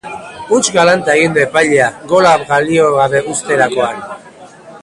Huts galanta egin du epaileak gola balio gabe uzterakoan.